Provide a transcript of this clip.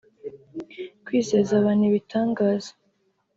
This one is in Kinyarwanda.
kwizeza abantu ibitangaza